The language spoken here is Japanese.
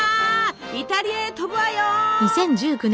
イタリアへ飛ぶわよ！